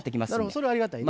それはありがたいね。